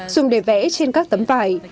dùng để vẽ trên các tấm vải